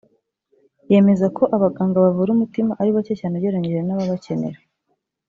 yemeza ko abaganga bavura umutima ari bake cyane ugereranyije n’ababakenera